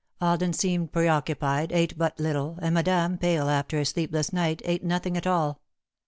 Alden seemed preoccupied, ate but little, and Madame, pale after a sleepless night, ate nothing at all.